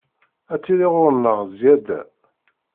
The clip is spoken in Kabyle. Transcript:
Ad tili ɣur-neɣ zzyada.